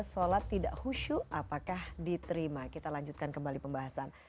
sholat tidak khusyuk apakah diterima kita lanjutkan kembali pembahasan